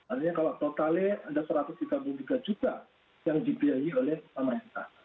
artinya kalau totalnya ada satu ratus tiga puluh tiga juta yang dibiayai oleh pemerintah